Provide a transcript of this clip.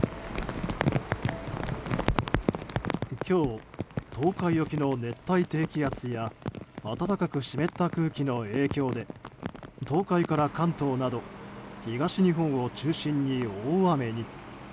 今日、東海沖の熱帯低気圧や暖かく湿った空気の影響で東海から関東など東日本を中心に大雨に。